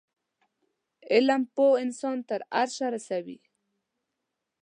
علم پوه انسان تر عرشه رسوی